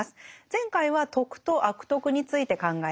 前回は「徳」と「悪徳」について考えました。